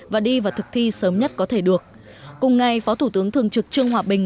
và đi vào thực thi sớm nhất có thể được cùng ngày phó thủ tướng thường trực trương hòa bình